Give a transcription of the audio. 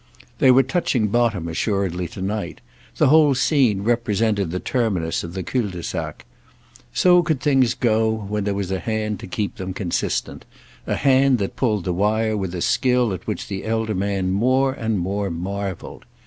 They were touching bottom assuredly tonight; the whole scene represented the terminus of the cul de sac. So could things go when there was a hand to keep them consistent—a hand that pulled the wire with a skill at which the elder man more and more marvelled.